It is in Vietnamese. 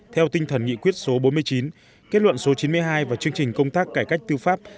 theo tinh thần nghị quyết số bốn mươi chín kết luận số chín mươi hai và chương trình công tác cải cách tư pháp